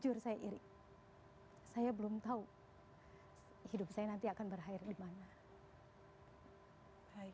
jujur saya iri saya belum tahu hidup saya nanti akan berakhir di mana baik